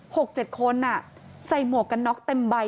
หกเจ็ดคนอ่ะใส่หมวกกันน็อกเต็มใบ